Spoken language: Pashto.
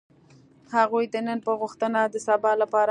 هغوی د نن په غوښتنه د سبا لپاره.